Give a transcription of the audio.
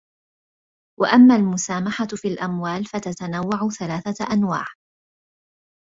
وَأَمَّا الْمُسَامَحَةُ فِي الْأَمْوَالِ فَتَتَنَوَّعُ ثَلَاثَةَ أَنْوَاعٍ